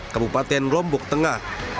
kabupaten lombok tengah